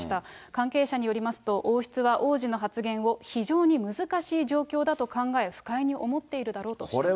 関係者によりますと、王室は王子の発言を非常に難しい状況だと考え、不快に思っているだろうとしています。